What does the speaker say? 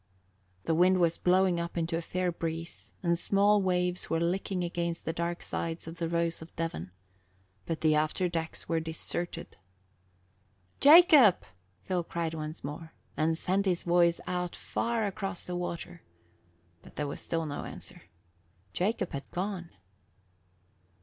The wind was blowing up into a fair breeze and small waves were licking against the dark sides of the Rose of Devon. But the after decks were deserted. "Jacob!" Phil cried once more, and sent his voice out far across the water. But there was still no answer. Jacob had gone.